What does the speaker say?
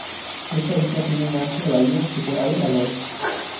Esta isla tiene una amplia bahía que se abre al oeste.